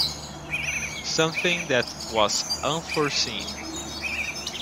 Something that was unforeseen!!